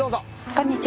こんにちは。